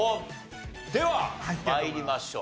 では参りましょう。